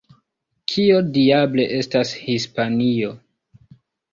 Kio diable estas Hispanio?